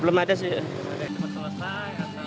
belum ada sih